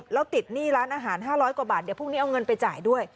แล้วติดหนี้ร้านอาหาร๕๐๐กว่าบาทเดี๋ยวพรุ่งนี้เอาเงินไปจ่ายด้วย